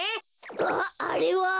あっあれは？